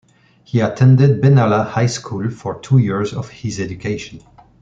He attended Benalla High School for two years of his education.